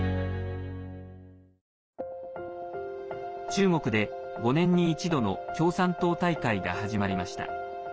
中国で５年に一度の共産党大会が始まりました。